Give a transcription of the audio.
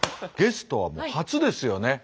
ゲストはもう初ですよね